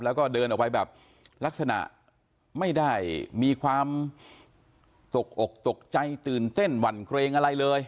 แล้วก็เดินออกไปแบบลักษณะไม่ได้มีความตกอกตกใจตื่นเต้นหวั่นเกรงอะไรเลย